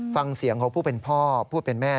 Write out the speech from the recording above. ฟังเสียงของผู้เป็นพ่อผู้เป็นแม่